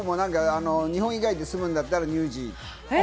日本以外で住むんだったらニュージー。